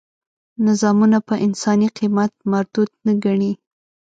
نظامونه په انساني قیمت مردود نه ګڼي.